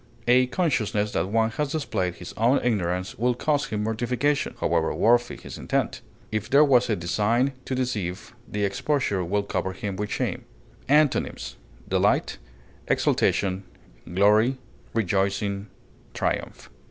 A consciousness that one has displayed his own ignorance will cause him mortification, however worthy his intent; if there was a design to deceive, the exposure will cover him with shame. Antonyms: delight, exultation, glory, rejoicing, triumph.